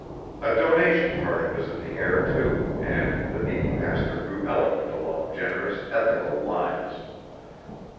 A donation party was in the air, too, and the needy pastor grew eloquent along generous, ethical lines.